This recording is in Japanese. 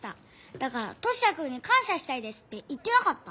だからトシヤくんにかんしゃしたいですって言ってなかった？